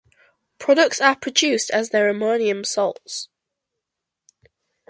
Products are produced as their ammonium salts.